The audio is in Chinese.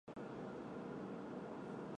曾祖父陈善。